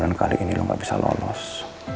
dan risa bener bener bisa ketemu sama elsa